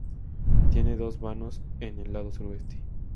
Tiene dos vanos en el lado Suroeste.